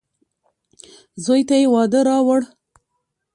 زوی ته يې واده راووړ.